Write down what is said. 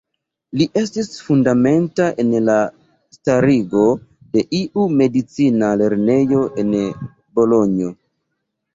Li estis fundamenta en la starigo de iu medicina lernejo en Bolonjo.